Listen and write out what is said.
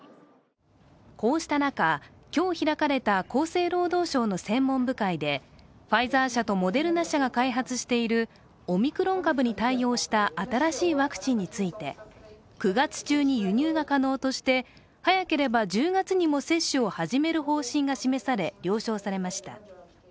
こうした中、今日開かれた厚生労働省の専門部会でファイザー社とモデルナ社が開発しているオミクロン株に対応した新しいワクチンについて９月中に輸入が可能として早ければ１０月にも接種を始める方針が示され了承されました。